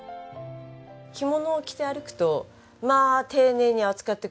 着物を着て歩くとまあ丁寧に扱ってくれます。